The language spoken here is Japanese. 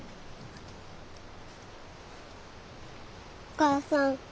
お母さん！